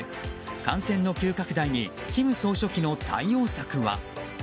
感染の急拡大に金総書記の対応策は。